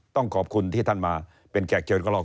ต้องขอบคุณที่ท่านมาเป็นแก่เกียรติกรรม